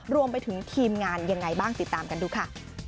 รวมไปถึงทีมงานยังไงบ้างติดตามกันดูค่ะ